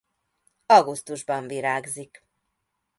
Augusztusban virágzik.